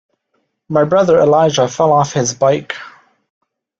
My brother Elijah fell off his bike.